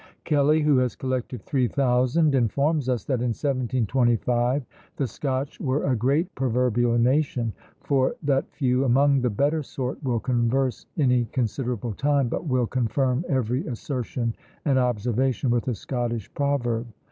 Kelly, who has collected three thousand, informs us, that, in 1725, the Scotch were a great proverbial nation; for that few among the better sort will converse any considerable time, but will confirm every assertion and observation with a Scottish proverb.